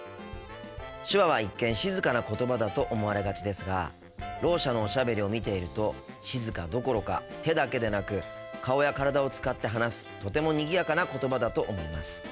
手話は一見静かな言葉だと思われがちですがろう者のおしゃべりを見ていると静かどころか手だけでなく顔や体を使って話すとてもにぎやかな言葉だと思います。